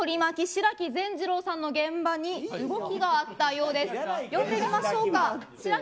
白木善次郎さんの現場に動きがあったようです。